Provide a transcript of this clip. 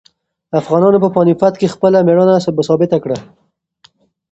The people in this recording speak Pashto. افغانانو په پاني پت کې خپله مېړانه ثابته کړه.